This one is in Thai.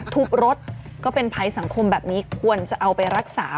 ทุบรถก็เป็นภัยสังคมแบบนี้ควรจะเอาไปรักษา